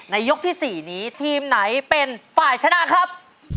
ยกที่๔นี้ทีมไหนเป็นฝ่ายชนะครับ